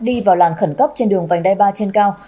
đi vào làn khẩn cấp trên đường vành đai ba trên cao